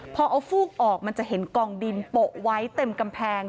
พอเอาฟูกออกมันจะเห็นกองดินโปะไว้เต็มกำแพง